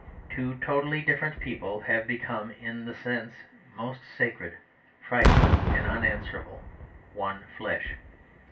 Two totally different people have become in the sense most sacred, frightful, and unanswerable, one flesh.